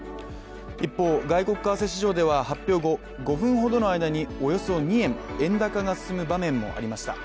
一方、外国為替市場では発表後５分ほどの間におよそ２円円高が進む場面もありました。